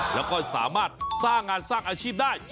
แล้วก็สามารถสร้างงานสร้างอาชีพได้